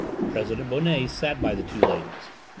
President Bonnet sat by the two ladies.